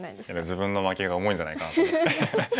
自分の負けが重いんじゃないかなと思って。